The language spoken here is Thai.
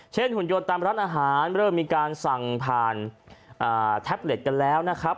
หุ่นยนต์ตามร้านอาหารเริ่มมีการสั่งผ่านแท็บเล็ตกันแล้วนะครับ